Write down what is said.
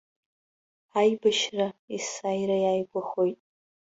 Аибашьра есааира иааигәахоит.